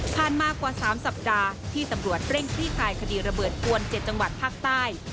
มากว่า๓สัปดาห์ที่ตำรวจเร่งคลี่คลายคดีระเบิดปวน๗จังหวัดภาคใต้